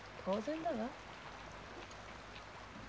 当然だわ。